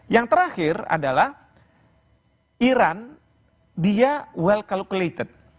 yang terakhir adalah iran dia well calculated